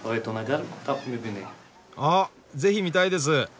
あぜひ見たいです。